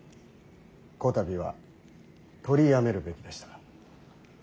こたびは取りやめるべきでした。